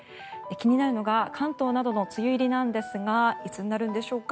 気になるのが関東などの梅雨入りなんですがいつになるんでしょうか。